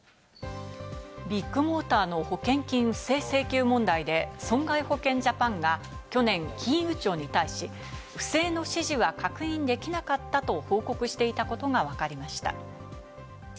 ビッグモーターの保険金不正請求問題で、損害保険ジャパンが去年、金融庁に対し、不正の指示は確認できなかったと報告していたことがわかりました。